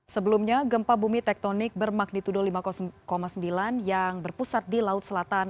sebelumnya gempa bumi tektonik bermagnitudo lima sembilan yang berpusat di laut selatan